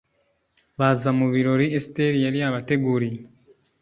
baza mu birori Esiteri yari yabateguriye